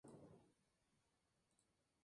Toda la ruta se encuentra del condado de Butte.